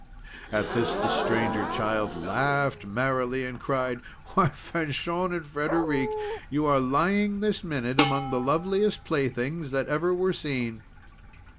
At this the Stranger Child laughed merrily, and cried: "Why, Fanchon and Frederic, you are lying this minute among the loveliest playthings that ever were seen!"